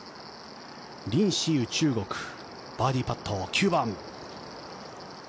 リン・シユ、中国バーディーパット、９番。